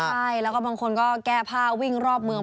ใช่แล้วก็บางคนก็แก้ผ้าวิ่งรอบเมือง